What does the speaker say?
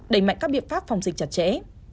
đẩy mạnh các biện pháp phòng dịch chặt chẽ